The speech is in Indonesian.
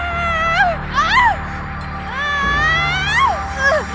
saya pandai berk shan